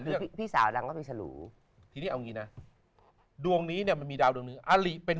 เรื่องพี่สาวดังว่าปีศรูที่นี้เอางี้นะดวงนี้มันมีดาวดังนึงอาริเป็น